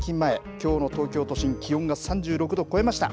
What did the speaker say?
きょうの東京都心、気温が３６度超えました。